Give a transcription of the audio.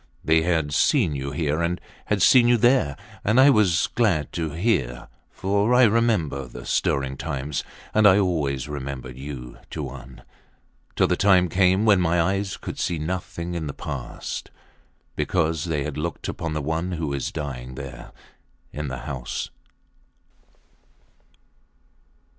They had seen you here and had seen you there. And I was glad to hear, for I remembered the stirring times, and I always remembered you, Tuan, till the time came when my eyes could see nothing in the past, because they had looked upon the one who is dying there in the house.